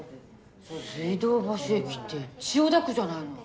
水道橋駅って千代田区じゃないの。